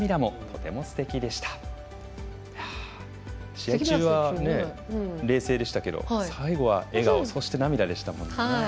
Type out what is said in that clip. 試合中は、冷静でしたけど最後は笑顔そして涙でしたもんね。